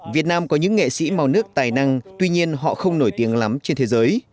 việt nam có những nghệ sĩ màu nước tài năng tuy nhiên họ không nổi tiếng lắm trên thế giới